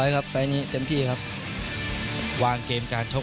ใช้ฝีมือแรกกันครับ